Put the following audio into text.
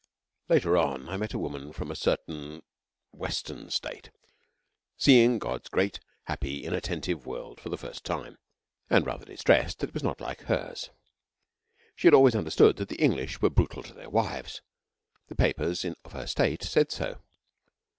Later on, I met a woman from a certain Western State seeing God's great, happy, inattentive world for the first time, and rather distressed that it was not like hers. She had always understood that the English were brutal to their wives the papers of her State said so.